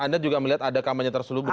anda juga melihat ada kampanye terselubung